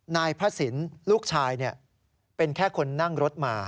นายพระศิลป์ลูกชายเป็นแค่คนนั่งรถมา